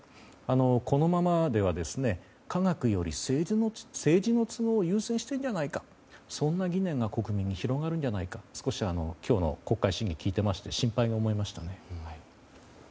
このままでは科学より政治の都合を優先しているんじゃないかそんな疑念が国民に広がるんじゃないか少し、今日の国会審議聞いてまして心配に思いましたね。